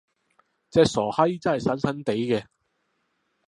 隻傻閪真係神神地嘅！